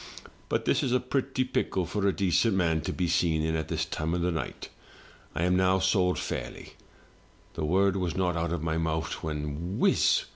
*But this is a pretty pickle for a decent man to be seen in at this time o* night. I am now sold fairly/ The word was not out of my mouth, when, whiz!